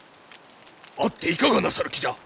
会っていかがなさる気じゃ？